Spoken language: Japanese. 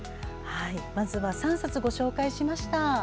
まずは３冊ご紹介しました。